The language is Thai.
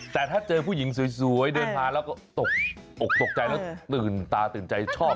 แต่ถ้าเจอผู้หญิงสวยเดินมาแล้วก็ตกอกตกใจแล้วตื่นตาตื่นใจชอบ